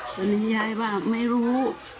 ตอนนี้ยายบอกไม่รู้